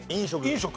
飲食。